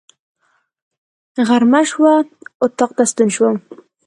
غرمه شوه، اطاق ته ستون شوم.